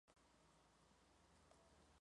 En este caso es aplicado por las negras.